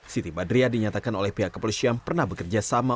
siti badriah dinyatakan oleh pihak kepolisian pernah bekerja sama